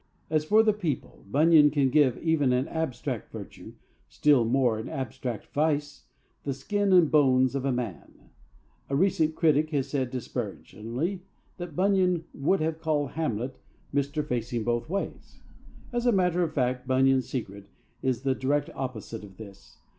As for the people, Bunyan can give even an abstract virtue still more, an abstract vice the skin and bones of a man. A recent critic has said disparagingly that Bunyan would have called Hamlet Mr. Facing both ways. As a matter of fact, Bunyan's secret is the direct opposite of this.